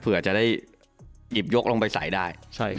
เผื่อจะได้หยิบยกลงไปใส่ได้